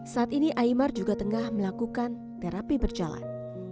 saat ini aymar juga tengah melakukan terapi berjalan